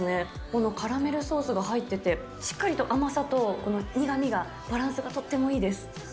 このカラメルソースが入ってて、しっかりと甘さと苦みがバランスがとってもいいです。